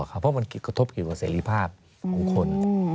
เพราะมันกระทบกับเสรีภาพของคน